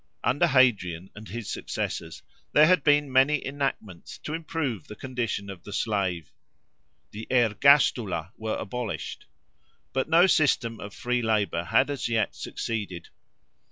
Under Hadrian and his successors, there had been many enactments to improve the condition of the slave. The ergastula+ were abolished. But no system of free labour had as yet succeeded.